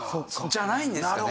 じゃないんですかね？